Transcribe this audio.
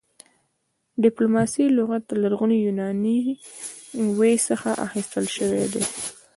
ډيپلوماسۍ لغت د لرغوني يوناني ویي څخه اخيستل شوی دی